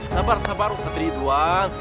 sabar sabar ustadz rih itu an